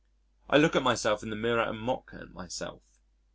I look at myself in the mirror and mock at myself.